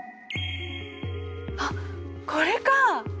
あっこれかあ！